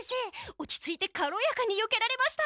落ち着いて軽やかによけられました。